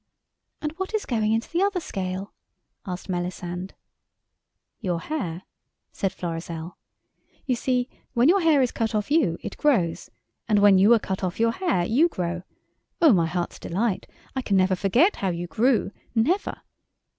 "And what is going into the other scale?" asked Melisande. "Your hair," said Florizel. "You see, when your hair is cut off you it grows, and when you are cut off your hair you grow—oh, my heart's delight, I can never forget how you grew, never!